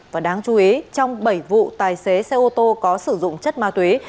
và đáng chú ý trong bảy vụ tài xế xe ô tô có sử dụng chất ma túy